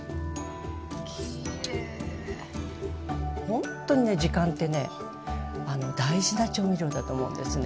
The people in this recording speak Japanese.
ほんとね時間ってね大事な調味料だと思うんですね。